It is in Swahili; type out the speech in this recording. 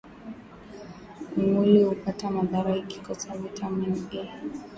mwili huapata madhara ikikosa viatamin A